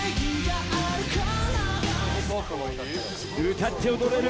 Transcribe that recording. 歌って踊れる